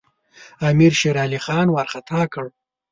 امیر شېرعلي خان وارخطا کړ.